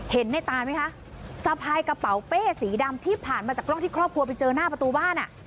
เห็นในตานไหมคะสะพายกระเป๋าเป้สีดำที่ผ่านมาจากกล้องที่ครอบครัวไปเจอหน้าประตูบ้านอ่ะ